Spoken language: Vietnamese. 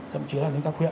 thậm chí là đến các huyện